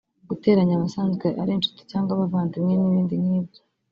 guteranya abasanzwe ari inshuti cyangwa abavandimwe n’ibindi nk’ibyo